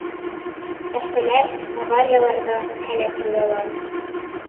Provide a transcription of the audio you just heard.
Әсәләр, аварияларҙа һәләк булалар...